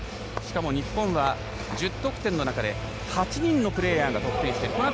しかも日本は１０得点の中で８人のプレーヤーが得点していて。